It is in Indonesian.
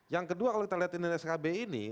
yang kedua kalau kita lihat di dalam skb ini